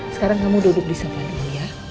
sekarang kamu duduk di sapa dulu ya